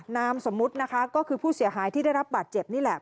นามสมมุตินะคะก็คือผู้เสียหายที่ได้รับบาดเจ็บนี่แหละ